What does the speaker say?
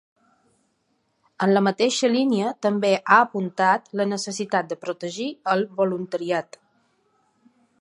En la mateixa línia també ha apuntat la necessitat de protegir el voluntariat.